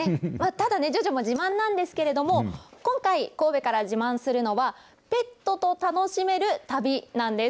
ただね、ＪＯＪＯも自慢なんですけれども、今回、神戸から自慢するのは、ペットと楽しめる旅なんです。